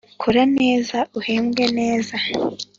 Kora neza uhembwe neza